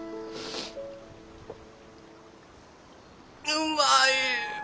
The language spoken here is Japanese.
うまい！